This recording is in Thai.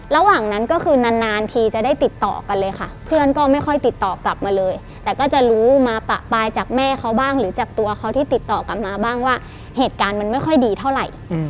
ระหว่างนั้นก็คือนานทีจะได้ติดต่อกันเลยค่ะเพื่อนก็ไม่ค่อยติดต่อกลับมาเลยแต่ก็จะรู้มาปะปลายจากแม่เขาบ้างหรือจากตัวเขาที่ติดต่อกลับมาบ้างว่าเหตุการณ์มันไม่ค่อยดีเท่าไหร่